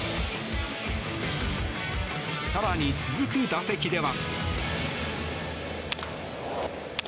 更に続く打席では。